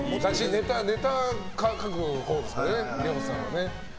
ネタかくほうですから亮さんは。